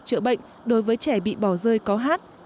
chữa bệnh đối với trẻ bị bỏ rơi có hát